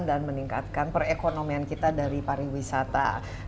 dan meningkatkan perekonomian kita dari pariwisata